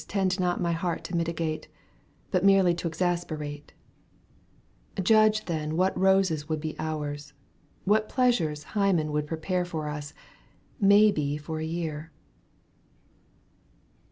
Tend not my heart to mitigate, But merely to exasperate ; Judge then what roses would be ours, What pleasures Hymen would prepare For us, may be for many a year.